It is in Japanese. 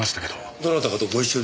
どなたかとご一緒では？